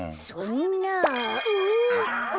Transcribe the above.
そんなあ。